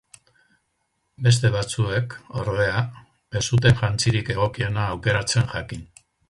Beste batzuek, ordea, ez zuten jantzirik egokiena aukeratzen jakin.